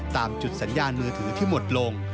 ตามจุดสัญญาณมือถือที่หมดลง